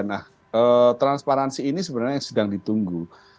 nah transparansi ini sebenarnya yang sedang ditunggu